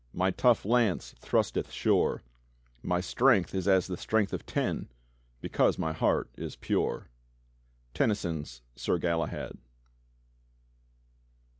My tough lance thrusteth sure, My strength is as the strength of ten. Because my heart is pure." Tennyson's "Sir Galahad."